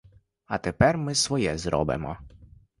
А тепер ми своє зробимо.